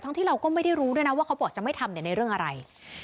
ที่เราก็ไม่ได้รู้ด้วยนะว่าเขาบอกจะไม่ทำในเรื่องอะไร